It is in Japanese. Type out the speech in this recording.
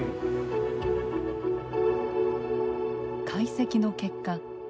解析の結果